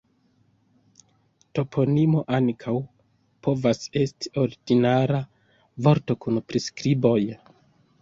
Toponimo ankaŭ povas esti ordinara vorto kun priskriboj.